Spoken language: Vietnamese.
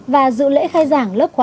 và dự lễ khai giảng lớp khóa hai